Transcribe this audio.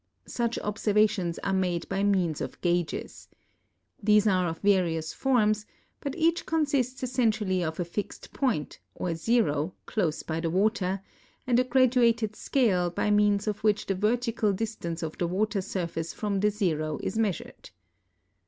Such observations are made by means of gages. These are of various forms, but each consists essentially of a fixt point, or zero, close by the water, and a graduated scale by means of which the vertical distance of the water surface from the zero is measured.